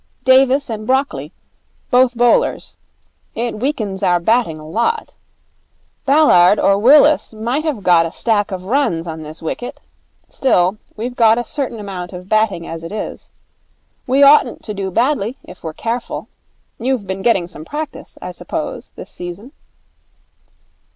'Davis and Brockley. Both bowlers. It weakens our batting a lot. Ballard or Willis might have got a stack of runs on this wicket. Still, we've got a certain amount of batting as it is. We oughtn't to do badly, if we're careful. You've been getting some practice, I suppose, this season?'